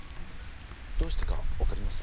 どうしてかわかります？